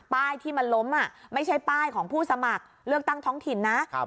ป้ายที่มันล้มไม่ใช่ป้ายของผู้สมัครเลือกตั้งท้องถิ่นนะ